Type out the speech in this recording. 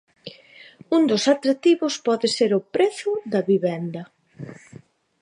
Un dos atractivos pode ser o prezo da vivenda.